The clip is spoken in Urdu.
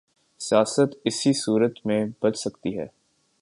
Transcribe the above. سیاست اسی صورت میں بچ سکتی ہے۔